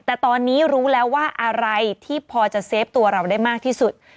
แต่ตอนนี้รู้แล้วว่าอะไรที่พอจะเซฟตัวเราได้มากที่สุด